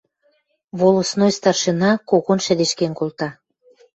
Волостной старшина когон шӹдешкен колта.